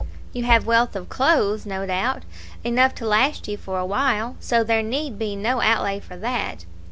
"You have wealth of clothes, no doubt; enough to last you for a while; so there need be no outlay for that."